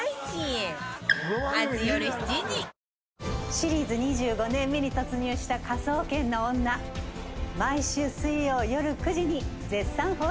「シリーズ２５年目に突入した『科捜研の女』」「毎週水曜よる９時に絶賛放送中です」